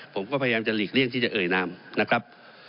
ผมก็พยายามจะหลีกเลี่ยงที่จะเอ่ยนามนะครับ